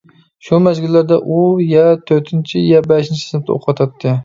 شۇ مەزگىللەردە ئۇ يە تۆتىنچى، يە بەشىنچى سىنىپتا ئوقۇۋاتاتتى.